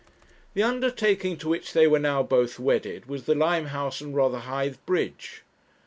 The undertaking to which they were now both wedded was the Limehouse and Rotherhithe Bridge.